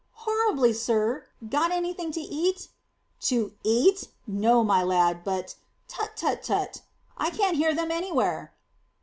"Horribly, sir. Got anything to eat?" "To eat? No, my lad. But tut tut tut! I can't hear them anywhere."